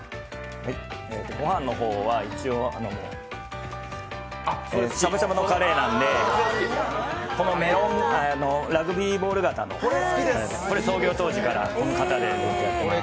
ご飯の方は一応しゃばしゃばのカレーなんでこのラグビーボール型のこれ創業当時からこの型でやってます。